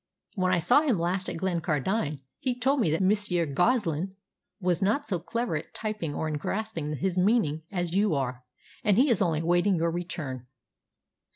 When I saw him last at Glencardine he told me that Monsieur Goslin was not so clever at typing or in grasping his meaning as you are, and he is only awaiting your return."